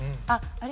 あれ？